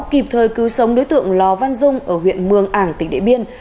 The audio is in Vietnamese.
kịp thời cứu sống đối tượng lò văn dung ở huyện mương ảng tỉnh địa biên